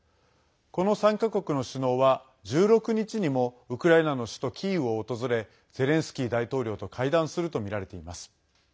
この３か国の首脳は１６日にもウクライナの首都キーウを訪れゼレンスキー大統領と会談するとみられています。